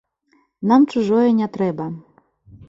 Нам чужое не трэба!